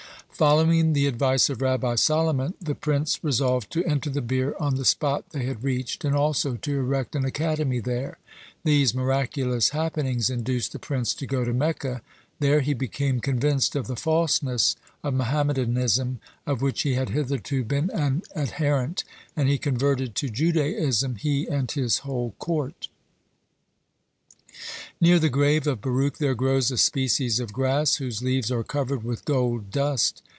Following the advice of Rabbi Solomon, the prince resolved to enter the bier on the spot they had reached and also to erect an academy there. These miraculous happenings induced the prince to go to Mecca. There he became convinced of the falseness of Mohammedanism, of which he had hitherto been an adherent, and he converted to Judaism, he and his whole court. Near the grave of Baruch there grows a species of grass whose leaves are covered with gold dust.